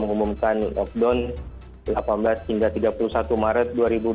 melalui perdana menteri yang mengumumkan lockdown delapan belas hingga tiga puluh satu maret dua ribu dua puluh